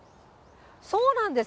そうなんです。